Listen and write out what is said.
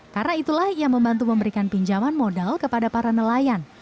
karena itulah ia membantu memberikan pinjaman modal kepada para nelayan